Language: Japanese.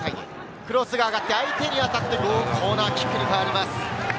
クロスが上がって、相手に当たってコーナーキックに変わります。